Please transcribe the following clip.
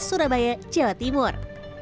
surabaya jawa timur